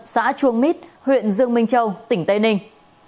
xã chuông mít huyện dương minh châu tỉnh tây ninh